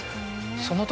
その時。